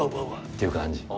っていう感じ。